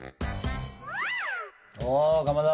おかまど！